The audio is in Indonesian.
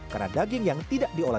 karena daging yang tidak diolah